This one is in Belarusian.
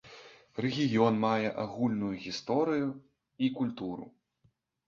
Рэгіён мае агульную гісторыю і культуру.